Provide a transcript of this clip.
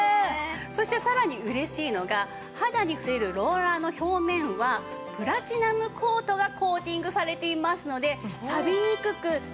そしてさらに嬉しいのが肌に触れるローラーの表面はプラチナムコートがコーティングされていますので。